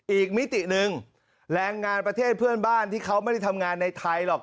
มิติหนึ่งแรงงานประเทศเพื่อนบ้านที่เขาไม่ได้ทำงานในไทยหรอก